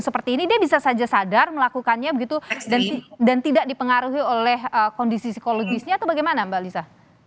seperti ini dia bisa saja sadar melakukannya begitu dan tidak dipengaruhi oleh kondisi psikologisnya atau bagaimana mbak lisa